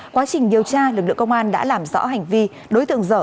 quá trình điều tra lực lượng công an đã làm rõ hành vi đối tượng dở